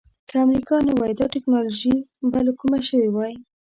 که امریکا نه وای دا ټکنالوجي به له کومه شوې وای.